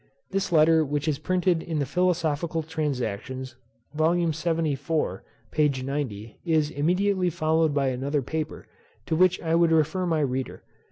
This letter which is printed in the Philosophical Transactions, Vol. 74, p. 90. is immediately followed by another paper, to which I would refer my reader.